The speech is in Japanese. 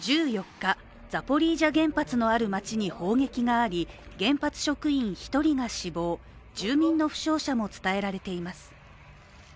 １４日、ザポリージャ原発のある街に砲撃があり原発職員１人が死亡、住民の負傷者も伝えられています。